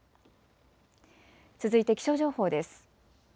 続いて気象情報です。